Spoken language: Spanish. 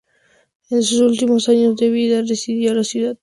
En sus últimos años de vida residió en la ciudad de Nyköping.